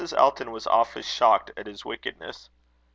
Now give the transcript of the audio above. Elton was awfully shocked at his wickedness.